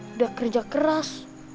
sudah kerja keras